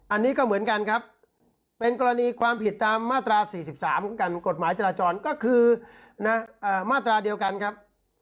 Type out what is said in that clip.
อันนี้ก็เหมือนกันครับเป็นกรณีความผิดตามมาตรา๔๓ของการกฎหมายจราจรก็คือมาตราเดียวกันครับ